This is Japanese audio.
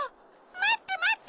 まってまって！